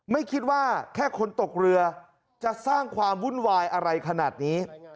ไม่คิดว่าแค่คนตกเรือจะสร้างความวุ่นวายอะไรขนาดนี้